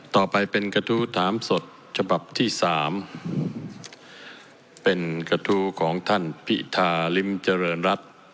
ต่อไปเป็นกระทู้ถามสดฉบับที่สามเป็นกระทู้ของท่านพิธาริมเจริญรัฐ